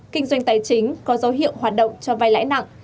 kinh doanh tài chính có dấu hiệu hoạt động cho vai lãi nặng